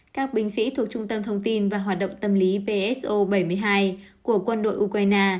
các binh sĩ thuộc trung tâm thông tin và hoạt động tâm lý pso bảy mươi hai của quân đội ukraine